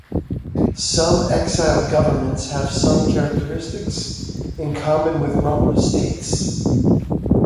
Some exiled governments have some characteristics in common with rump states.